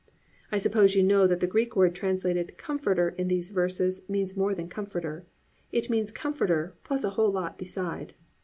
I suppose you know that the Greek word translated Comforter in these verses means more than Comforter. It means Comforter plus a whole lot beside.